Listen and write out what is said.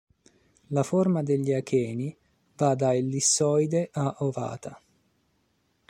La forma degli acheni va da ellissoide a ovata.